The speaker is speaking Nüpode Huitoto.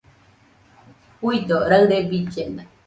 Juido, raɨre billena